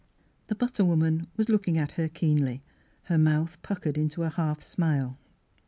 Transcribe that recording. The butter woman was looking at her keenly, her mouth puckered into a half smile.